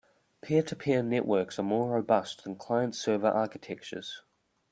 Peer-to-peer networks are more robust than client-server architectures.